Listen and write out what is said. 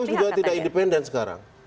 kpu sudah tidak independen sekarang